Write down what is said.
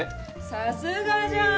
さすがじゃん！